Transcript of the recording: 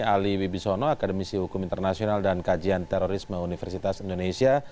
ali wibisono akademisi hukum internasional dan kajian terorisme universitas indonesia